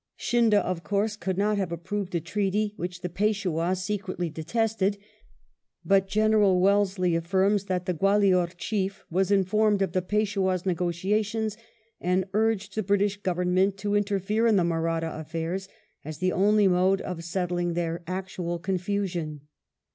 Scindia, of course, could not have approved a treaty which the Peishwah secretly detested; but General Wellesley affirms that the Gwalior chief was informed of the Peishwah's negotiations, and " urged the British Government to interfere in the Mahratta affairs, as the only mode of settling their actual confusion."